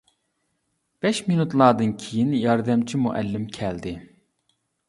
بەش مىنۇتلاردىن كېيىن ياردەمچى مۇئەللىم كەلدى.